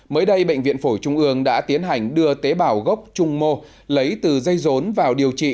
mới đây bệnh viện phổi trung ương đã tiến hành đưa tế bào gốc trung mô lấy từ dây rốn vào điều trị